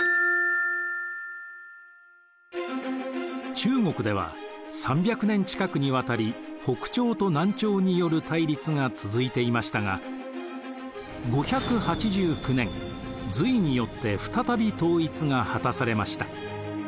中国では３００年近くにわたり北朝と南朝による対立が続いていましたが５８９年隋によって再び統一が果たされました。